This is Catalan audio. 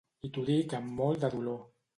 I t’ho dic amb molt de dolor.